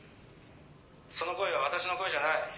その声は私の声じゃない。